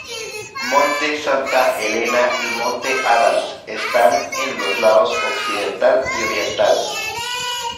Monte Santa Helena y Monte Adams están en los lados occidental y oriental.